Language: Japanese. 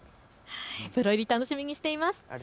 プロ入り楽しみにしています。